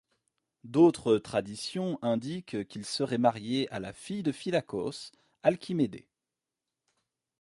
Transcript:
D'autres traditions indiquent qu'il serait marié à la fille de Phylacos, Alcimédé.